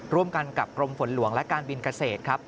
ร่วมกันกับกรมฝนหลวงและการบินเกษตรครับ